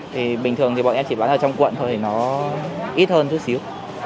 thì bình thường thì bọn em chỉ bán ở trong quận thôi thì nó ít hơn chút xíu